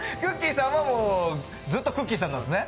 さんは、もうずっとくっきー！さんなんですね？